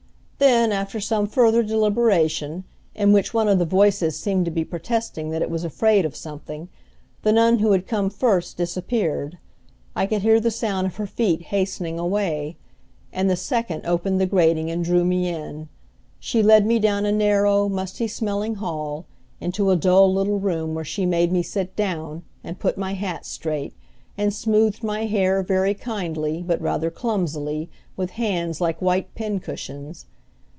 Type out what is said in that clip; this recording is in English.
Then, after some further deliberation, in which one of the voices seemed to be protesting that it was afraid of something, the nun who had come first disappeared, I could hear the sound of her feet hastening away, and the second opened the grating and drew me in. She led me down a narrow, musty smelling hall and into a dull little room where she made me sit down, and put my hat straight, and smoothed my hair very kindly but rather clumsily with hands like white pincushions.